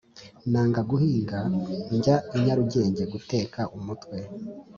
nanga guhinga njya i nyarugenge guteka umutwe.